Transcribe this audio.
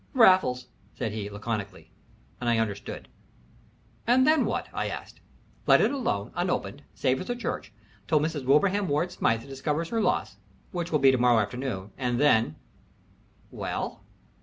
"Raffles!" said he, laconically, and I understood. "And then what?" I asked. "Let it alone, unopened, safe as a church, until Mrs. Wilbraham Ward Smythe discovers her loss, which will be to morrow afternoon, and then " "Well?"